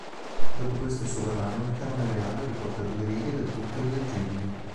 Dopo questo sovrano il Canone Reale riporta due righe del tutto illeggibili